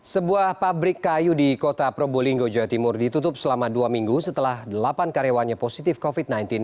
sebuah pabrik kayu di kota probolinggo jawa timur ditutup selama dua minggu setelah delapan karyawannya positif covid sembilan belas